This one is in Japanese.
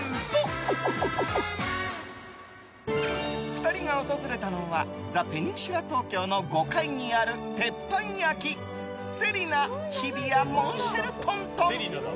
２人が訪れたのはザ・ペニンシュラ東京の５階にある鉄板焼き、瀬里奈日比谷モンシェルトントン。